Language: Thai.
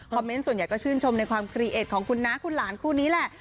เมนต์ส่วนใหญ่ก็ชื่นชมในความครีเอทของคุณน้าคุณหลานคู่นี้แหละ